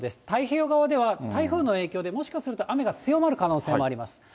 太平洋側では台風の影響でもしかすると雨が強まる可能性もあります。